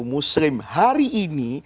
muslim hari ini